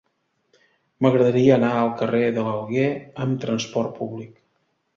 M'agradaria anar al carrer de l'Alguer amb trasport públic.